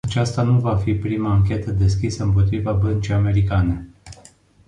Aceasta nu va fi prima anchetă deschisă împotriva băncii americane.